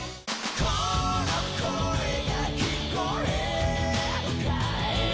「この声が聞こえるかい」